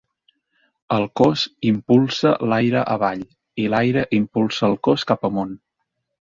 El cos "impulsa" l'aire avall, i l'aire impulsa el cos cap amunt.